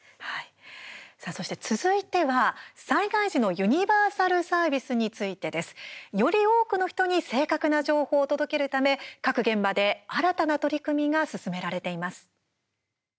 そして続いては、災害時のユニバーサルサービスについてです。より多くの人に正確な情報を届けるため各現場で新たな取り組みが進められています。